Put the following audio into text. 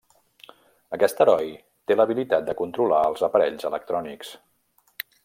Aquest heroi té l'habilitat de controlar els aparells electrònics.